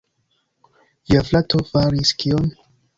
Via frato faris kion?